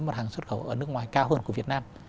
mặt hàng xuất khẩu ở nước ngoài cao hơn của việt nam